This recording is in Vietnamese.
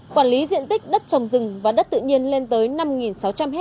quản lý diện tích đất trồng rừng và đất tự nhiên lên tới năm sáu trăm linh ha